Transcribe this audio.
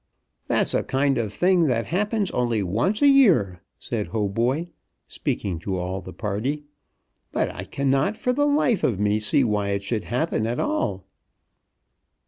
"That's a kind of thing that happens only once a year," said Hautboy, speaking to all the party; "but I cannot, for the life of me, see why it should happen at all."